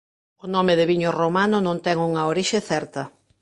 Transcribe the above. O nome de viño romano non ten unha orixe certa.